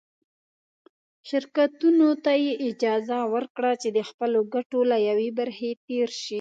شرکتونو ته یې اجازه ورکړه چې د خپلو ګټو له یوې برخې تېر شي.